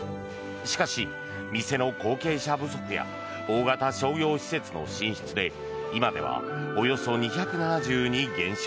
しかし、店の後継者不足や大型商業施設の進出で今ではおよそ２７０に減少。